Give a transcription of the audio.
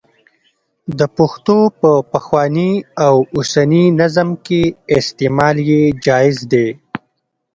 د پښتو په پخواني او اوسني نظم کې استعمال یې جائز دی.